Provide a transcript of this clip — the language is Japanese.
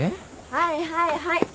はいはいはい。